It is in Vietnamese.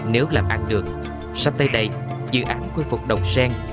nếu làm ăn được sắp tới đây dự án khôi phục đồng sen